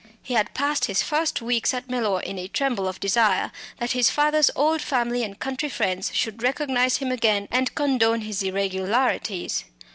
He had passed his first weeks at Mellor in a tremble of desire that his father's old family and country friends should recognise him again and condone his "irregularities."